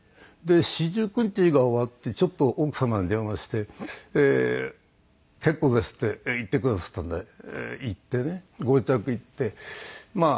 四十九日が終わってちょっと奥様に電話して「結構です」って言ってくださったんで行ってねご自宅行ってまあ